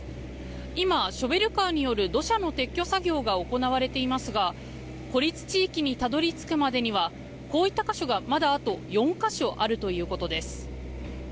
今、ショベルカーによる土砂の撤去作業が行われていますが孤立地域にたどり着くまでにはこう言った箇所がまだあと４か所あるということです。